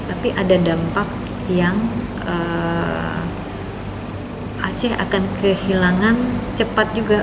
tapi ada dampak yang aceh akan kehilangan cepat juga